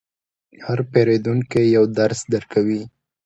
هر پیرودونکی یو درس درکوي.